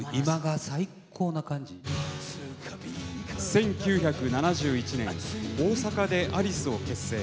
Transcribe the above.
１９７１年大阪でアリスを結成。